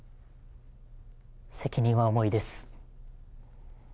責任は重いです。